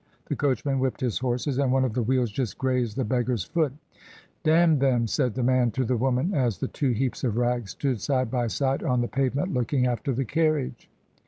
The coachman whipped his horses, and one of the wheels just grazed the beggar's foot. «D them!" said the man to the woman, as the two heaps of rags stood side by side on the pavement looking after the carriage.